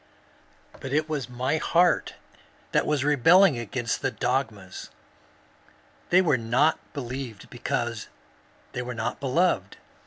But it was my heart that was rebelling against the dogmas. They were not believed because they were not beloved.